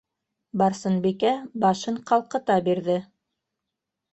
- Барсынбикә башын ҡалҡыта бирҙе.